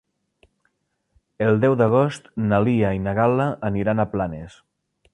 El deu d'agost na Lia i na Gal·la aniran a Planes.